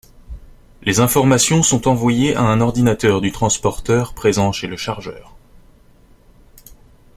Les informations sont envoyées à un ordinateur du transporteur présent chez le chargeur.